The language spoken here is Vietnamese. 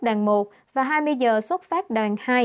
đoàn một và hai mươi giờ xuất phát đoàn hai